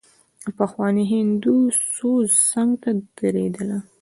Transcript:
د پخواني هندو سوز څنګ ته تېرېدله.